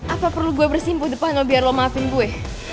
apa perlu gue bersimpu depan biar lo maafin gue